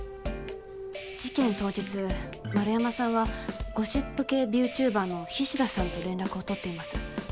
事件当日円山さんはゴシップ系ビューチューバーの菱田さんと連絡を取っています。